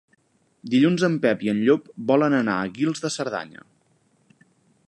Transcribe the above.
Dilluns en Pep i en Llop volen anar a Guils de Cerdanya.